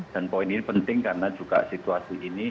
dan poin ini penting karena juga situasi ini